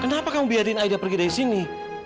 kenapa kamu biarin aida pergi dari sini